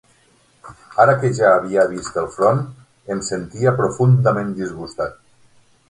Ara que ja havia vist el front em sentia profundament disgustat.